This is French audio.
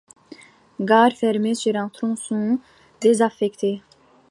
Gare fermée sur un tronçon désaffecté.